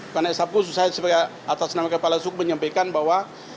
karena saya sebagai atas nama kepala suku menyampaikan bahwa